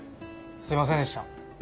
すいませんでした。